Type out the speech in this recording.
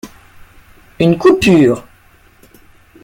Une coupure.